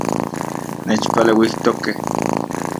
Nechpaleuijtokej